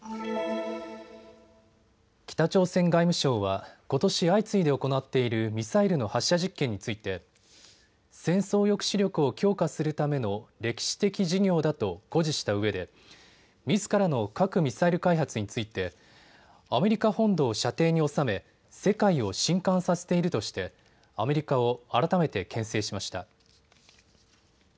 北朝鮮外務省はことし相次いで行っているミサイルの発射実験について戦争抑止力を強化するための歴史的事業だと誇示したうえでみずからの核・ミサイル開発についてアメリカ本土を射程に収め世界をしんかんさせているとしてアメリカを改めてけん制しました。